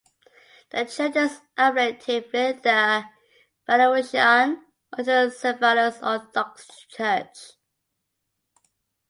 The church is affiliated with the Belarusian Autocephalous Orthodox Church.